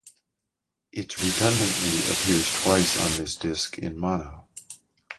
It redundantly appears twice on this disc in mono.